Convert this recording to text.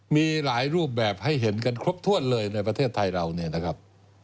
มีหลายรูปแบบให้เห็นกันครบถ้วนเลยในประเทศไทยเราเนี่ยนะครับ